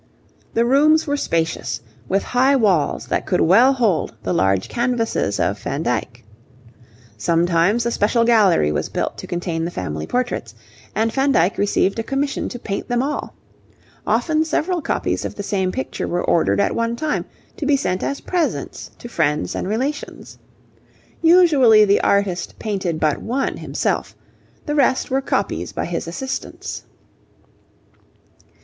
The rooms were spacious, with high walls that could well hold the large canvases of Van Dyck. Sometimes a special gallery was built to contain the family portraits, and Van Dyck received a commission to paint them all. Often, several copies of the same picture were ordered at one time to be sent as presents to friends and relations. Usually the artist painted but one himself; the rest were copies by his assistants.